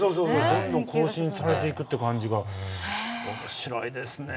どんどん更新されていくって感じが面白いですね。